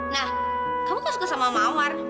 nah kamu gak suka sama mawar